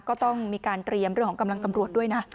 ก็ต้องมีการเตรียมเรื่องของกำลังตำรวจด้วยนะ